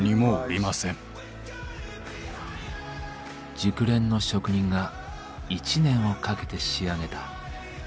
熟練の職人が１年をかけて仕上げた最高傑作。